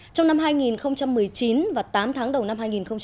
trong năm hai nghìn một mươi chín và tám tháng đầu năm hai nghìn hai mươi